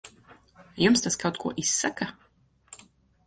Jums tas kaut ko izsaka?